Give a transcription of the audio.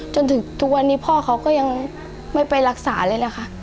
จนถึงทุกวันนี้พ่อเขาก็ยังไม่ไปรักษาเลยแหละค่ะ